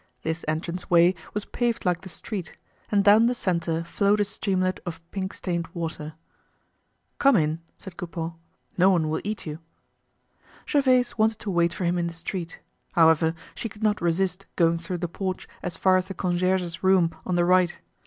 This entranceway was paved like the street, and down the center flowed a streamlet of pink stained water. "Come in," said Coupeau, "no one will eat you." Gervaise wanted to wait for him in the street. However, she could not resist going through the porch as far as the concierge's room on the right.